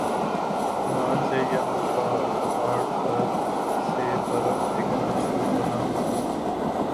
مارچ سے یَہاں پہاڑ پر سے برف پگھلنا شروع ہونا ہونا